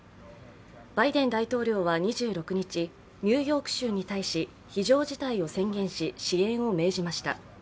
バイデン大統領は２６日、ニューヨーク州に対し非常事態を宣言し、支援を命じました。